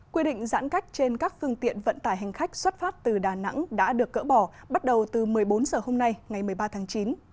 quy định giãn cách trên các phương tiện vận tải hành khách xuất phát từ đà nẵng đã được cỡ bỏ bắt đầu từ một mươi bốn h hôm nay ngày một mươi ba tháng chín